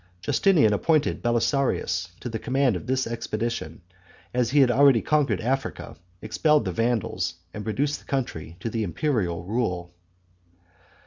Justinian appointed Belisarius to the command of this expedition, as he had already conquered Africa, expelled the Vandals, and reduced the country to the imperial rule.